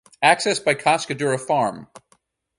Access by Cascadura Farm.